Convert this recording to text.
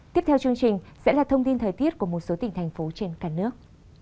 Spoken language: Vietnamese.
tiếp theo chương trình sẽ là thông tin thời tiết của một số tỉnh thành phố trên cả nước